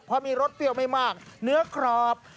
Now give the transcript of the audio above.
เพราะมีรสเปรี้ยวไม่มากเนื้อกรอบ